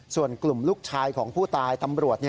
ส่วนกลุ่มลูกชายของผู้ตายตำรวจ